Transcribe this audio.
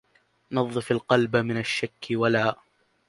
نظف القلب من الشك ولا